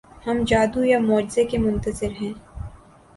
ہم جادو یا معجزے کے منتظر ہیں۔